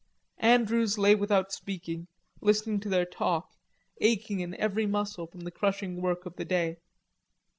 Andrews lay without speaking, listening to their talk, aching in every muscle from the crushing work of the day.